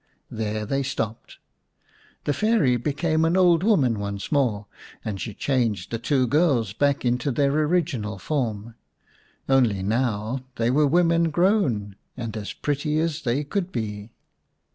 There they stopped. The Fairy became an old woman once more, and she changed the two girls back into their original form. Only now they were women grown, and as pretty as they could be.